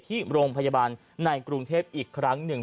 ที่โรงพยาบาลในกรุงเทพอีกครั้งหนึ่ง